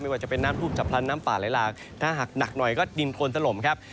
ไม่ว่าจะเป็นน้ำภูมิจับพลันน้ำปลาลายลากหน้าหักหนักหน่อยก็ดินคนสลมครับ